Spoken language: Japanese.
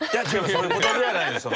そういうことではないです。